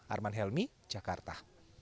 arman helmi jakarta